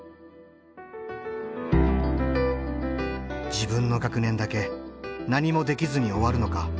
自分の学年だけ何もできずに終わるのか。